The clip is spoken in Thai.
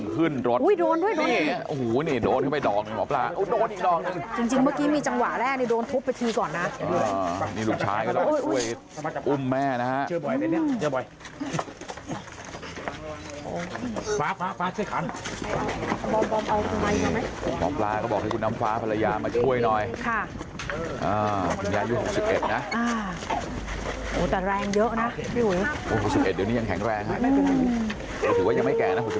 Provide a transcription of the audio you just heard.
คือพระเจ้าของพระเจ้าคือพระเจ้าของพระเจ้าคือพระเจ้าของพระเจ้าคือพระเจ้าของพระเจ้าคือพระเจ้าของพระเจ้าคือพระเจ้าของพระเจ้าคือพระเจ้าของพระเจ้าคือพระเจ้าของพระเจ้าคือพระเจ้าของพระเจ้าคือพระเจ้าของพระเจ้าคือพระเจ้าของพระเจ้าคือพระเจ้าของพระเจ้าคือพ